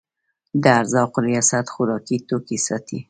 د ارزاقو ریاست خوراکي توکي ساتي